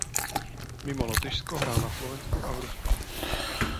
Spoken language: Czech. Mimo Lotyšsko hrál na Slovensku a v Rusku.